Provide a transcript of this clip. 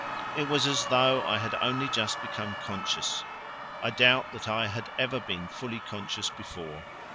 It was as though I had only just become conscious; I doubt that I had ever been fully conscious before.